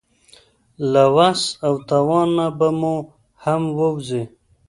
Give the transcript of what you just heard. له وس او توان نه به مو هم ووځي.